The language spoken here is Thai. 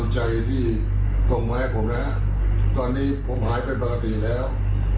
จะไปอยู่บ้านแล้ว